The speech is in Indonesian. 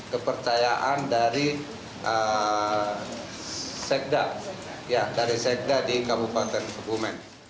kepercayaan dari sekda di kabupaten kebumen